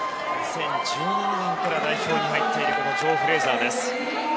２０１７年から代表に入っているジョー・フレーザーです。